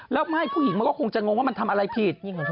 แล้วไม่ผู้หญิงมันก็คงจะงงว่ามันทำอะไรผิด